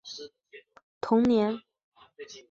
小赫斯特的童年也曾在这里度过。